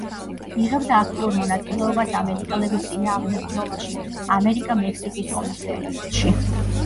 იღებდა აქტიურ მონაწილეობას ამერიკელების წინააღმდეგ ბრძოლაში ამერიკა-მექსიკის ომის პერიოდში.